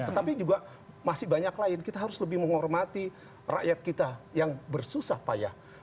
tetapi juga masih banyak lain kita harus lebih menghormati rakyat kita yang bersusah payah